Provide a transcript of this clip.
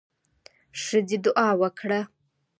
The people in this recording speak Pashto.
ښځه دعا وکړه.